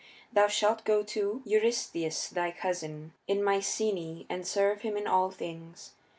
Thou shalt go to Eurystheus, thy cousin, in Mycenæ, and serve him in all things.